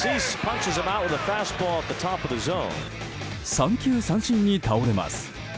三球三振に倒れます。